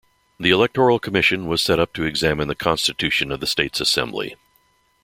The Electoral Commission was set up to examine the constitution of the States Assembly.